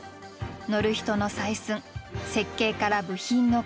乗る人の採寸設計から部品の加工